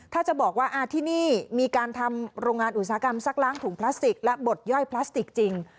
ถ้าจะบอกว่าที่นี่มีการทำโรงงานอุตสาหกรรมซักล้างถุงพลาสติกและบดย่อยพลาสติกจริง